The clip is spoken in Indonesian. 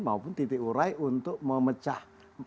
maupun titik urai untuk memecah